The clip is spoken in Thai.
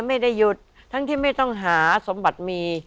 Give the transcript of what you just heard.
ไม่ได้หยุดทั้งที่ไม่ต้องหาสมบัติมี